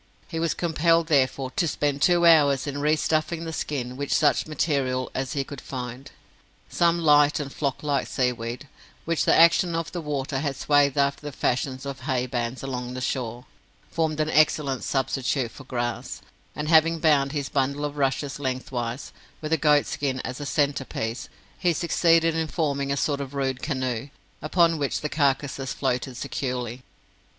He was compelled, therefore, to spend two hours in re stuffing the skin with such material as he could find. Some light and flock like seaweed, which the action of the water had swathed after the fashion of haybands along the shore, formed an excellent substitute for grass, and, having bound his bundle of rushes lengthwise, with the goat skin as a centre piece, he succeeded in forming a sort of rude canoe, upon which the carcases floated securely.